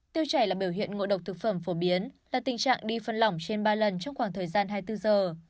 tiêu chảy là biểu hiện ngộ độc thực phẩm phổ biến là tình trạng đi phân lỏng trên ba lần trong khoảng thời gian hai mươi bốn giờ